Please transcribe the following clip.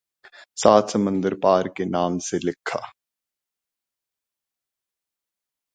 سات سمندر پار کے نام سے لکھا